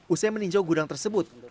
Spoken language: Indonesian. usai meninjau gudang tersebut